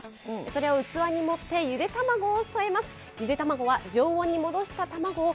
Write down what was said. それを器に盛ってゆで卵を添えます。